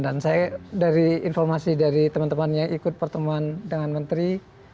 dan saya dari informasi dari teman teman yang ikut pertemuan dengan menteri